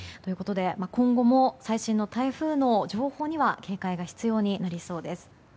今後も最新の台風の情報には警戒が必要になりそうです。